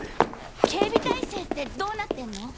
警備態勢ってどうなってんの？